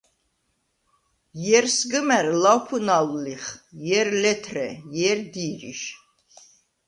ჲერ სგჷმა̈რ ლავფუნალვ ლიხ, ჲერ – ლეთრე, ჲერ – დი̄რიშ.